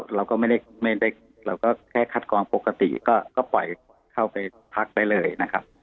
เราก็แค่คัดกรองปกติก็ปล่อยเข้าไปพักไปเลยนะครับ